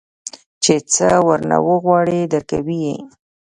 چې سه ورنه وغواړې درکوي يې.